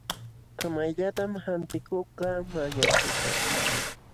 Kamayllatam hampikuqkaq mañakuykan.